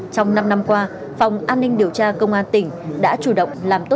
trong năm năm qua phòng an ninh điều tra công an tỉnh đã chủ động làm tốt